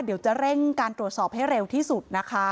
เดี๋ยวจะเร่งการตรวจสอบให้เร็วที่สุดนะคะ